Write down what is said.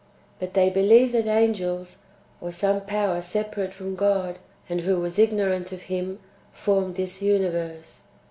But they believe that angels, or some power separate from God, and who was ignorant of Him, formed this universe.